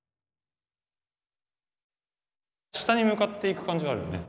下に向かっていく感じはあるよね。